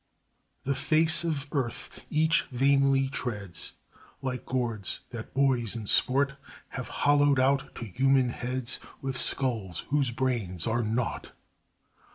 The face of earth each vainly treads, Like gourds, that boys in sport Have hollowed out to human heads, With skulls, whose brains are naught.